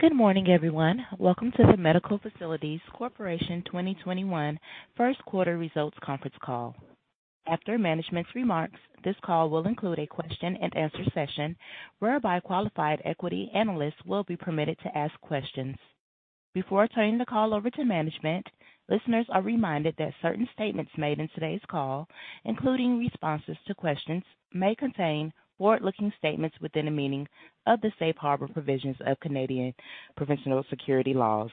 Good morning, everyone. Welcome to the Medical Facilities Corporation 2021 first quarter results conference call. After management's remarks, this call will include a question and answer session, whereby qualified equity analysts will be permitted to ask questions. Before turning the call over to management, listeners are reminded that certain statements made in today's call, including responses to questions, may contain forward-looking statements within the meaning of the safe harbor provisions of Canadian provincial security laws.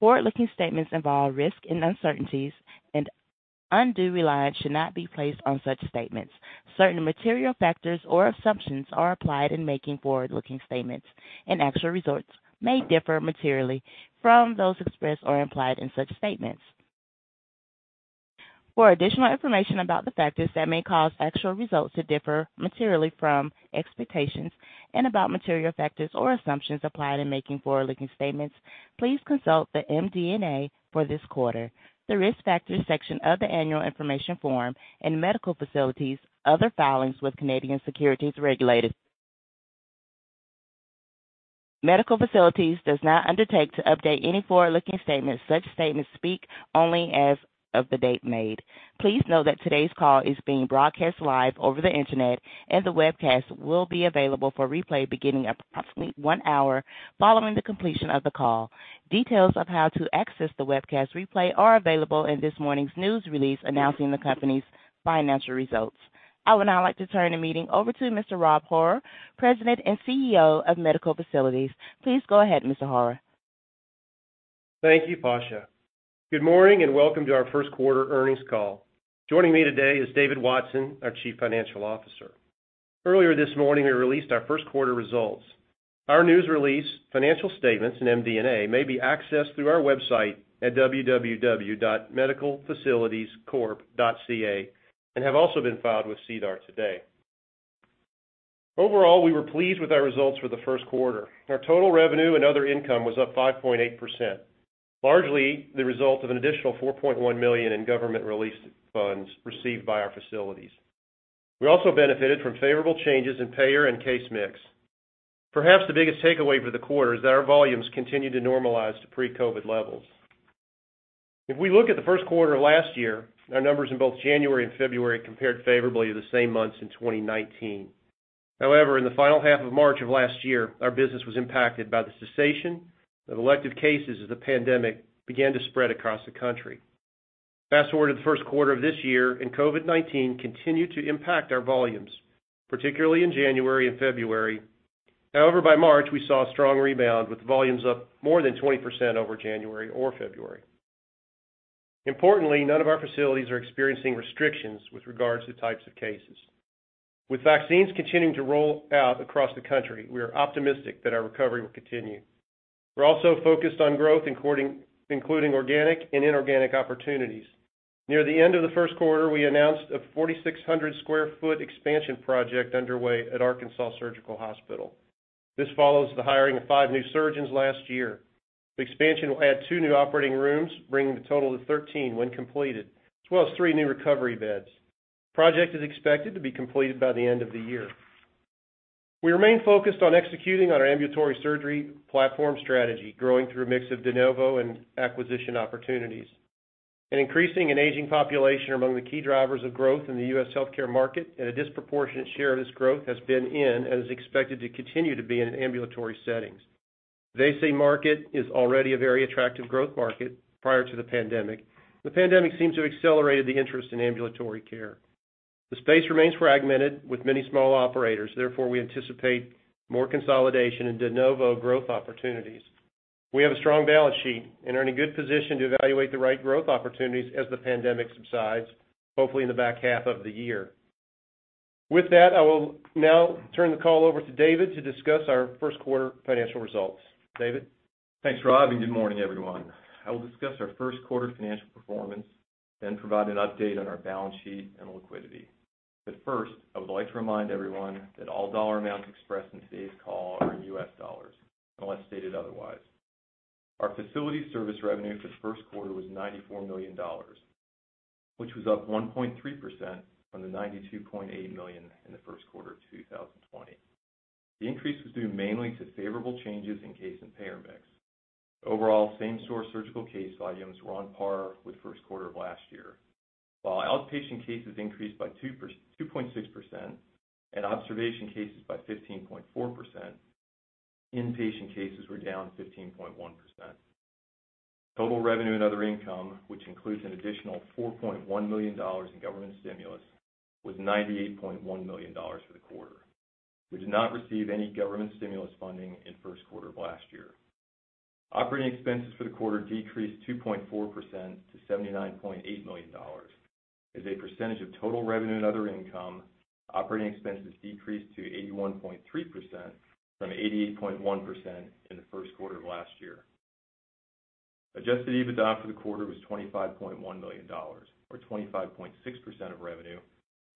Forward-looking statements involve risks and uncertainties, undue reliance should not be placed on such statements. Certain material factors or assumptions are applied in making forward-looking statements, actual results may differ materially from those expressed or implied in such statements. For additional information about the factors that may cause actual results to differ materially from expectations and about material factors or assumptions applied in making forward-looking statements, please consult the MD&A for this quarter, the Risk Factors section of the annual information form, and Medical Facilities' other filings with Canadian securities regulators. Medical Facilities does not undertake to update any forward-looking statements. Such statements speak only as of the date made. Please note that today's call is being broadcast live over the Internet, and the webcast will be available for replay beginning approximately one hour following the completion of the call. Details of how to access the webcast replay are available in this morning's news release announcing the company's financial results. I would now like to turn the meeting over to Mr. Rob Horrar, President and CEO of Medical Facilities. Please go ahead, Mr. Horrar. Thank you, Pasha. Good morning, and welcome to our first quarter earnings call. Joining me today is David Watson, our Chief Financial Officer. Earlier this morning, we released our first quarter results. Our news release, financial statements, and MD&A may be accessed through our website at www.medicalfacilitiescorp.ca and have also been filed with SEDAR today. Overall, we were pleased with our results for the first quarter. Our total revenue and other income was up 5.8%, largely the result of an additional $4.1 million in government relief funds received by our facilities. We also benefited from favorable changes in payer and case mix. Perhaps the biggest takeaway for the quarter is that our volumes continued to normalize to pre-COVID levels. If we look at the first quarter of last year, our numbers in both January and February compared favorably to the same months in 2019. However, in the final half of March of last year, our business was impacted by the cessation of elective cases as the pandemic began to spread across the country. Fast-forward to the first quarter of this year, COVID-19 continued to impact our volumes, particularly in January and February. However, by March, we saw a strong rebound, with volumes up more than 20% over January or February. Importantly, none of our facilities are experiencing restrictions with regards to types of cases. With vaccines continuing to roll out across the country, we are optimistic that our recovery will continue. We're also focused on growth, including organic and inorganic opportunities. Near the end of the first quarter, we announced a 4,600 sq ft expansion project underway at Arkansas Surgical Hospital. This follows the hiring of five new surgeons last year. The expansion will add two new operating rooms, bringing the total to 13 when completed, as well as three new recovery beds. The project is expected to be completed by the end of the year. We remain focused on executing on our ambulatory surgery platform strategy, growing through a mix of de novo and acquisition opportunities. An increasing and aging population are among the key drivers of growth in the U.S. healthcare market, and a disproportionate share of this growth has been in, and is expected to continue to be in, ambulatory settings. The ASC market was already a very attractive growth market prior to the pandemic. The pandemic seems to have accelerated the interest in ambulatory care. The space remains fragmented with many small operators. Therefore, we anticipate more consolidation and de novo growth opportunities. We have a strong balance sheet and are in a good position to evaluate the right growth opportunities as the pandemic subsides, hopefully in the back half of the year. With that, I will now turn the call over to David to discuss our first quarter financial results. David? Thanks, Rob. Good morning, everyone. I will discuss our first quarter financial performance, then provide an update on our balance sheet and liquidity. First, I would like to remind everyone that all dollar amounts expressed in today's call are in U.S. dollars, unless stated otherwise. Our facility service revenue for the first quarter was $94 million, which was up 1.3% from the $92.8 million in the first quarter of 2020. The increase was due mainly to favorable changes in case and payer mix. Overall, same-store surgical case volumes were on par with the first quarter of last year. While outpatient cases increased by 2.6% and observation cases by 15.4%, inpatient cases were down 15.1%. Total revenue and other income, which includes an additional $4.1 million in government stimulus, was $98.1 million for the quarter. We did not receive any government stimulus funding in the first quarter of last year. Operating expenses for the quarter decreased 2.4% to $79.8 million. As a percentage of total revenue and other income, operating expenses decreased to 81.3% from 88.1% in the first quarter of last year. Adjusted EBITDA for the quarter was $25.1 million, or 25.6% of revenue,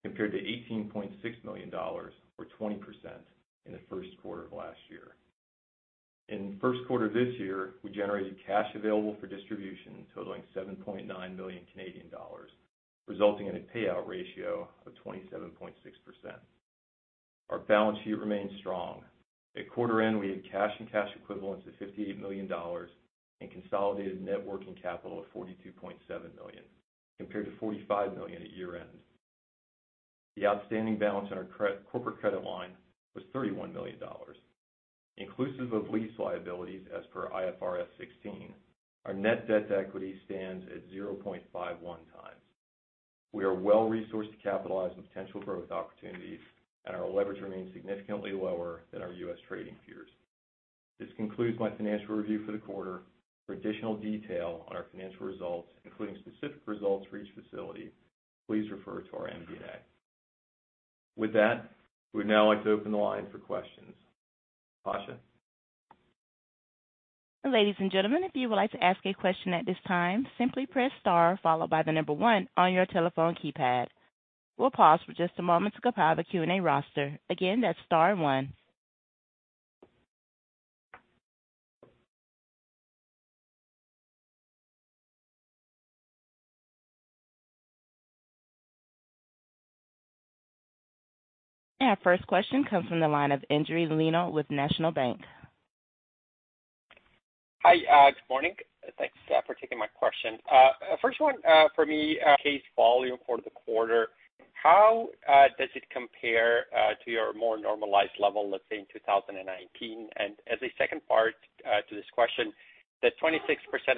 compared to $18.6 million, or 20%, in the first quarter of last year. In the first quarter of this year, we generated cash available for distribution totaling 7.9 million Canadian dollars, resulting in a payout ratio of 27.6%. Our balance sheet remains strong. At quarter end, we had cash and cash equivalents of $58 million and consolidated net working capital of $42.7 million, compared to $45 million at year-end. The outstanding balance on our corporate credit line was $31 million. Inclusive of lease liabilities as per IFRS 16, our net debt to equity stands at 0.51 times. We are well-resourced to capitalize on potential growth opportunities, and our leverage remains significantly lower than our U.S. trading peers. This concludes my financial review for the quarter. For additional detail on our financial results, including specific results for each facility, please refer to our MD&A. With that, we'd now like to open the line for questions. Pasha? Ladies and gentlemen, if you would like to ask a question at this time, simply press star followed by the number one on your telephone keypad. We'll pause for just a moment to compile the Q&A roster. Again, that's star one. Our first question comes from the line of Endri Leno with National Bank. Hi, good morning. Thanks for taking my question. First one for me, case volume for the quarter. How does it compare to your more normalized level, let's say, in 2019? As a second part to this question, the 26%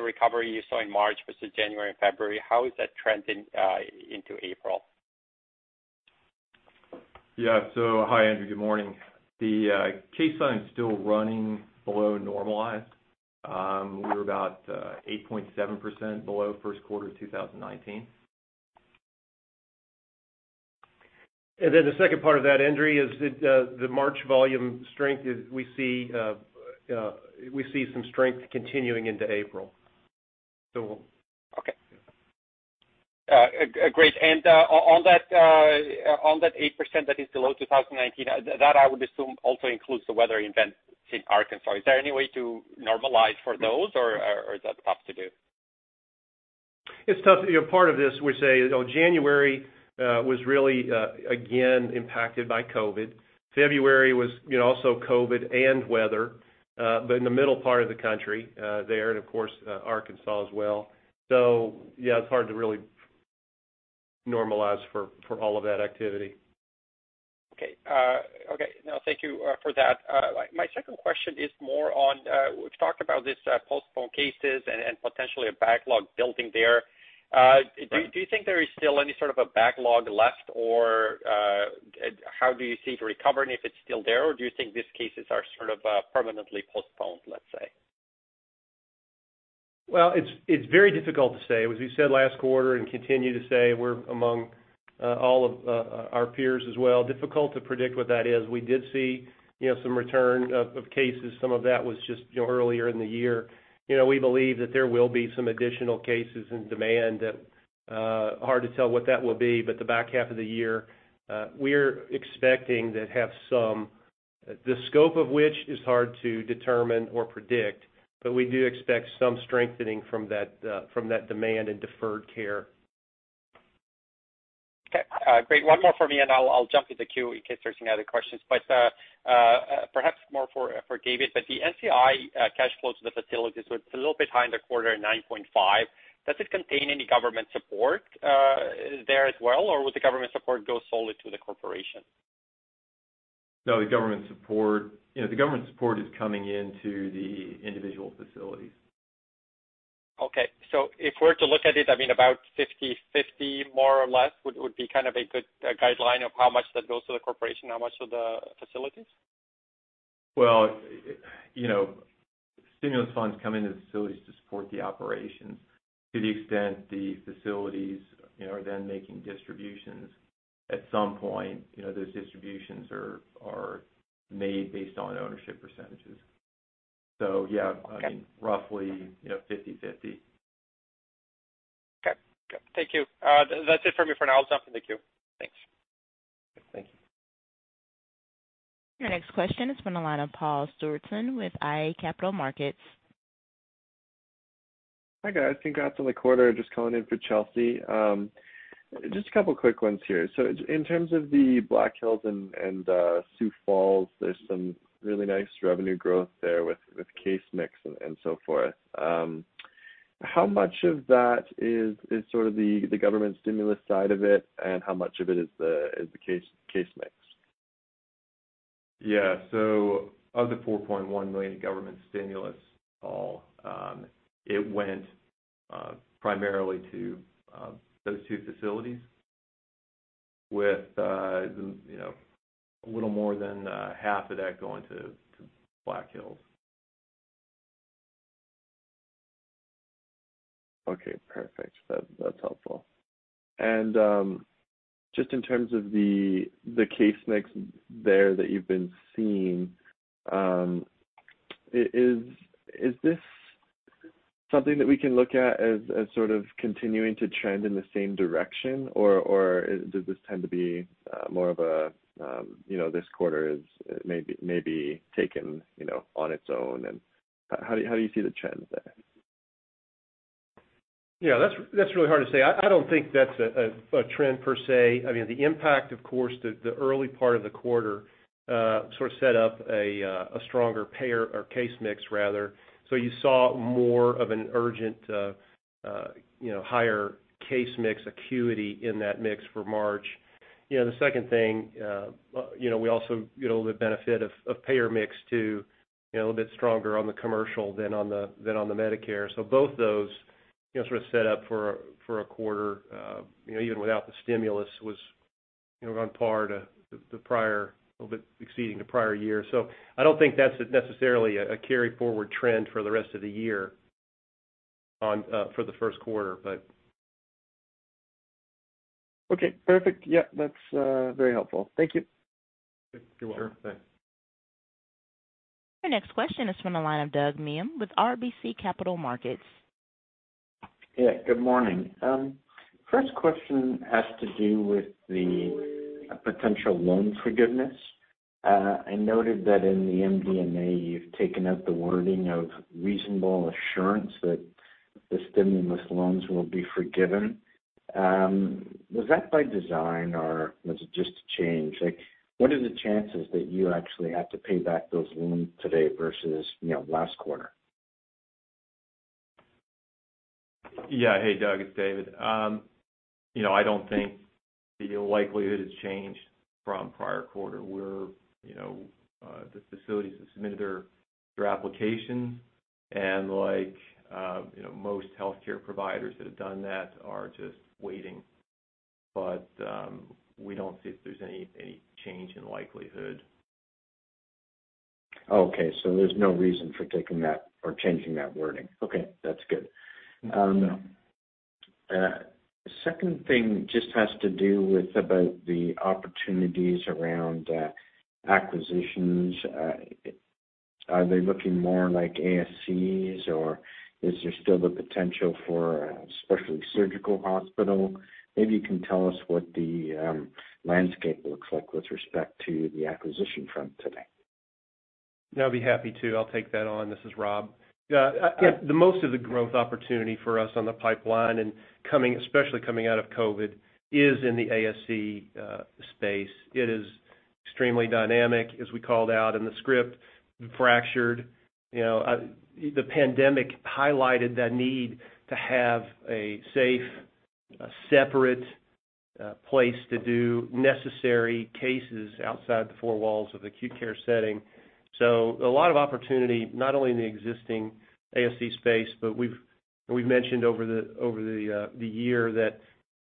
recovery you saw in March versus January and February, how is that trending into April? Yeah. Hi Endri. Good morning. The case volume is still running below normalized. We were about 8.7% below first quarter 2019. The second part of that, Endri, is the March volume strength is we see some strength continuing into April. Okay. Great. On that 8% that is below 2019, that I would assume also includes the weather events in Arkansas. Is there any way to normalize for those, or is that tough to do? It's tough. Part of this, we say, January was really again impacted by COVID. February was also COVID and weather, but in the middle part of the country there, and of course, Arkansas as well. Yeah, it's hard to really normalize for all of that activity. Okay. No, thank you for that. My second question is more on, we've talked about this postponed cases and potentially a backlog building there. Right. Do you think there is still any sort of a backlog left, or how do you see it recovering if it's still there? Do you think these cases are sort of permanently postponed, let's say? Well, it's very difficult to say. As we said last quarter and continue to say, we're among all of our peers as well, difficult to predict what that is. We did see some return of cases. Some of that was just earlier in the year. We believe that there will be some additional cases and demand. Hard to tell what that will be, but the back half of the year, we're expecting to have some. The scope of which is hard to determine or predict, but we do expect some strengthening from that demand in deferred care. Okay. Great. One more for me, and I'll jump to the queue in case there's any other questions. Perhaps more for David, but the NCI cash flows to the facilities was a little bit high in the quarter at $9.5 million. Does it contain any government support there as well, or would the government support go solely to the corporation? No, the government support is coming into the individual facilities. Okay. If we're to look at it, about 50/50, more or less, would be kind of a good guideline of how much that goes to the corporation, how much to the facilities? Well, stimulus funds come into the facilities to support the operations. To the extent the facilities are then making distributions, at some point, those distributions are made based on ownership percentages. Yeah, roughly 50/50. Okay. Thank you. That's it for me for now. I'll jump in the queue. Thanks. Thank you. Your next question is from the line of Paul Stewardson with iA Capital Markets. Hi, guys. Congrats on the quarter. Just calling in for Chelsea. Just a couple of quick ones here. In terms of the Black Hills and Sioux Falls, there's some really nice revenue growth there with case mix and so forth. How much of that is sort of the government stimulus side of it, and how much of it is the case mix? Of the $4.1 million in government stimulus, Paul, it went primarily to those two facilities with a little more than half of that going to Black Hills. Okay, perfect. That's helpful. Just in terms of the case mix there that you've been seeing, is this something that we can look at as sort of continuing to trend in the same direction, or does this tend to be more of a this quarter is maybe taken on its own, and how do you see the trends there? Yeah, that's really hard to say. I don't think that's a trend per se. The impact, of course, the early part of the quarter sort of set up a stronger payer or case mix rather. You saw more of an urgent, higher case mix acuity in that mix for March. The second thing, we also, the benefit of payer mix too, a little bit stronger on the commercial than on the Medicare. Both those sort of set up for a quarter, even without the stimulus, was on par to the prior, a little bit exceeding the prior year. I don't think that's necessarily a carry-forward trend for the rest of the year on for the first quarter. Okay, perfect. Yeah, that's very helpful. Thank you. You're welcome. Sure. Thanks. Your next question is from the line of Douglas Miehm with RBC Capital Markets. Yeah, good morning. First question has to do with the potential loan forgiveness. I noted that in the MD&A, you've taken out the wording of reasonable assurance that the stimulus loans will be forgiven. Was that by design, or was it just a change? Like, what are the chances that you actually have to pay back those loans today versus last quarter? Yeah. Hey, Doug, it's David. I don't think the likelihood has changed from prior quarter where the facilities have submitted their application and like most healthcare providers that have done that are just waiting. We don't see if there's any change in likelihood. Okay. There's no reason for taking that or changing that wording. Okay, that's good. No. The second thing just has to do with about the opportunities around acquisitions. Are they looking more like ASCs, or is there still the potential for a specialty surgical hospital? Maybe you can tell us what the landscape looks like with respect to the acquisition front today. Yeah, I'd be happy to. I'll take that on. This is Rob. Yeah. The most of the growth opportunity for us on the pipeline and especially coming out of COVID-19, is in the ASC space. It is extremely dynamic, as we called out in the script, fractured. The pandemic highlighted that need to have a safe, a separate place to do necessary cases outside the four walls of the acute care setting. A lot of opportunity, not only in the existing ASC space, but we've mentioned over the year that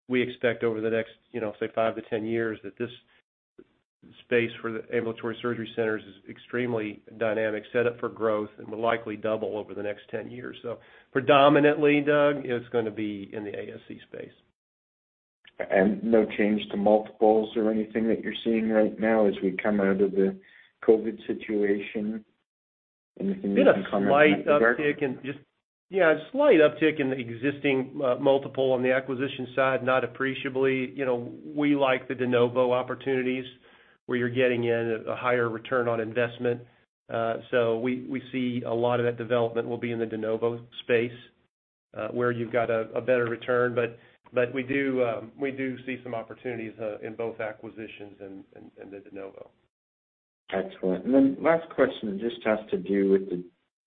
we expect over the next, say 5-10 years, that this space for the ambulatory surgery centers is extremely dynamic, set up for growth, and will likely double over the next 10 years. Predominantly, Doug, it's going to be in the ASC space. No change to multiples or anything that you're seeing right now as we come out of the COVID situation? Anything you can comment on there? Been a slight uptick in the existing multiple on the acquisition side, not appreciably. We like the de novo opportunities where you're getting in a higher return on investment. We see a lot of that development will be in the de novo space, where you've got a better return. We do see some opportunities in both acquisitions and the de novo. Excellent. Last question just has to do with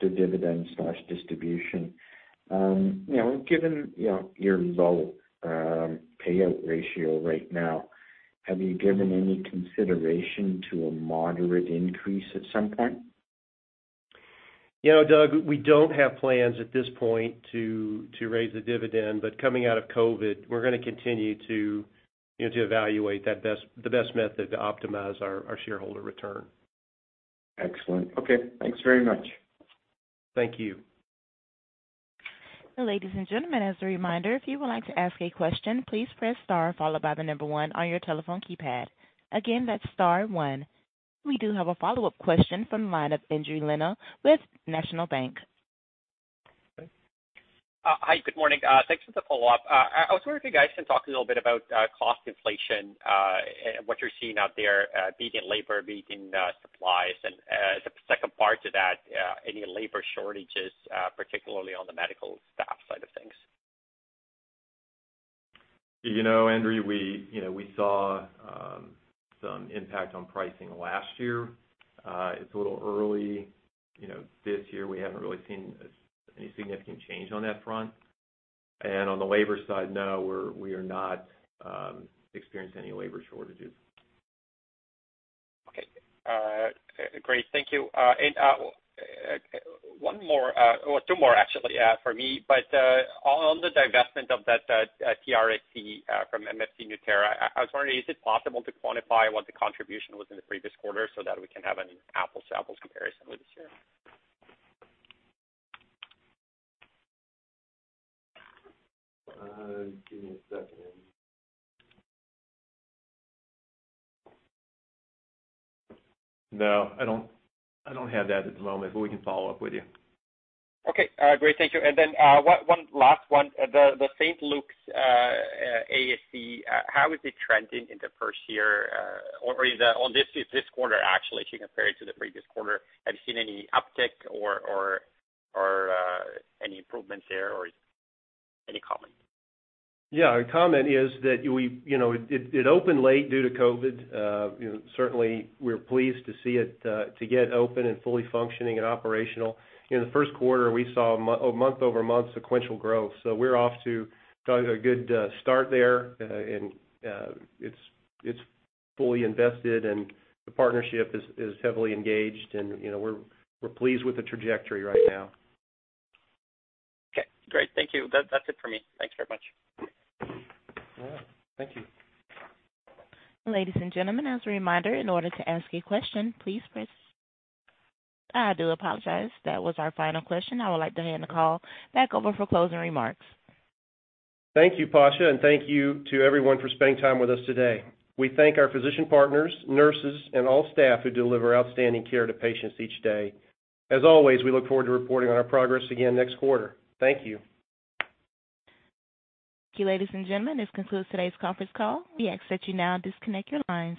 the dividend/distribution. Given your low payout ratio right now, have you given any consideration to a moderate increase at some point? Doug, we don't have plans at this point to raise the dividend, but coming out of COVID, we're going to continue to evaluate the best method to optimize our shareholder return. Excellent. Okay, thanks very much. Thank you. Ladies and gentlemen, as a reminder, if you would like to ask a question, please press star followed by the number one on your telephone keypad. Again, that's star one. We do have a follow-up question from the line of Endri Leno with National Bank. Hi, good morning. Thanks for the follow-up. I was wondering if you guys can talk a little bit about cost inflation, what you're seeing out there, be it labor, be it in supplies. The second part to that, any labor shortages, particularly on the medical staff side of things? Endri, we saw some impact on pricing last year. It's a little early this year. We haven't really seen any significant change on that front. On the labor side, no, we are not experiencing any labor shortages. Okay. Great. Thank you. One more, or two more actually, for me, but on the divestment of that TRSC from MFC Nueterra, I was wondering, is it possible to quantify what the contribution was in the previous quarter so that we can have an apples to apples comparison with this year? Give me a second. No, I don't have that at the moment, but we can follow up with you. Okay. Great. Thank you. One last one. The St. Luke's ASC, how is it trending in the first year? On this quarter, actually, if you compare it to the previous quarter, have you seen any uptick or any improvements there or any comment? Our comment is that it opened late due to COVID. Certainly, we're pleased to see it to get open and fully functioning and operational. In the first quarter, we saw a month-over-month sequential growth, so we're off to a good start there. It's fully invested, and the partnership is heavily engaged, and we're pleased with the trajectory right now. Okay, great. Thank you. That's it for me. Thanks very much. All right. Thank you. Ladies and gentlemen, as a reminder, in order to ask a question, please press I do apologize. That was our final question. I would like to hand the call back over for closing remarks. Thank you, Pasha, and thank you to everyone for spending time with us today. We thank our physician partners, nurses, and all staff who deliver outstanding care to patients each day. As always, we look forward to reporting on our progress again next quarter. Thank you. Thank you, ladies and gentlemen. This concludes today's conference call. We ask that you now disconnect your lines.